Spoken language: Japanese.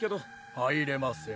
入れません。